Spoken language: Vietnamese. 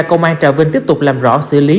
công an trà vinh tiếp tục làm rõ xử lý